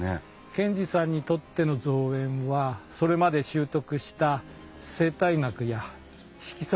賢治さんにとっての造園はそれまで修得した生態学や色彩